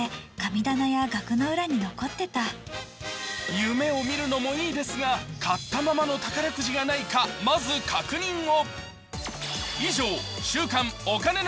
夢を見るのもいいですが買ったままの宝くじがないかまず確認を。